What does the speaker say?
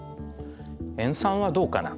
塩酸はどうかな？